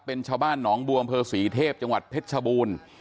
เป็นชาวบ้านหนองบวงบศรีเทพจังหวัดเทชบูรณ์